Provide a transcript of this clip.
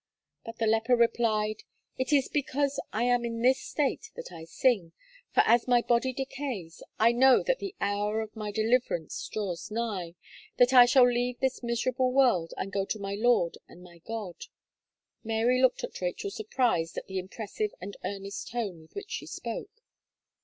But the leper replied, 'it is because I am in this state that I sing, for as my body decays, I know that the hour of my deliverance draws nigh, that I shall leave this miserable world, and go to my Lord and my God.'" Mary looked at Rachel surprised at the impressive and earnest tone with which she spoke.